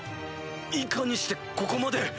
いかにしてここまで。